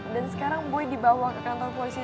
dan sekarang boy dibawa ke kantor polisi